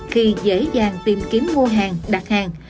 khi dễ dàng tìm kiếm mua hàng đặt hàng